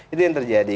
itu yang terjadi